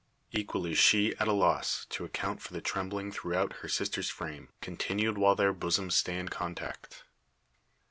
Equally is she at a loss to account for the trembling throughout her sister's frame, continued while their bosoms stay in contact.